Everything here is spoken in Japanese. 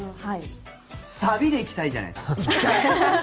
サビで行きたいじゃないですか。